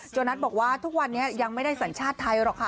นัทบอกว่าทุกวันนี้ยังไม่ได้สัญชาติไทยหรอกค่ะ